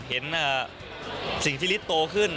เห็นสิ่งที่ฤทธิ์โตขึ้น